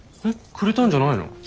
えっくれたんじゃないの？